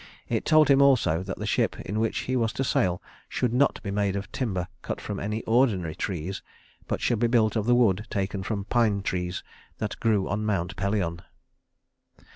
It told him also that the ship in which he was to sail should not be made of timber cut from any ordinary trees, but should be built of the wood taken from pine trees that grew on Mount Pelion.